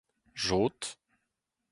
jod